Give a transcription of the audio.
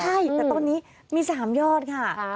ใช่แต่ตอนนี้มี๓ยอดค่ะ